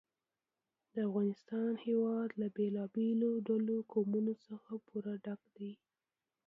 د افغانستان هېواد له بېلابېلو ډولو قومونه څخه پوره ډک دی.